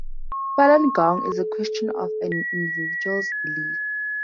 Falun Gong is a question of an individual's belief.